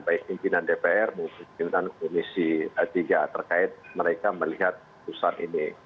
baik pimpinan dpr maupun pimpinan komisi tiga terkait mereka melihat putusan ini